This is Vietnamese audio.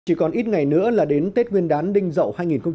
chỉ còn ít ngày nữa là đến tết nguyên đán đinh dậu hai nghìn một mươi bảy